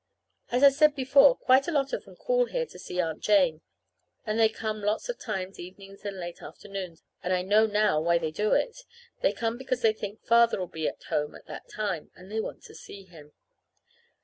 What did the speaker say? As I said before, quite a lot of them call here to see Aunt Jane, and they come lots of times evenings and late afternoons, and I know now why they do it. They come then because they think Father'll be at home at that time; and they want to see him.